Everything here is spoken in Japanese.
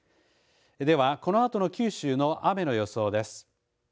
では、このあとの九州の雨の予想です。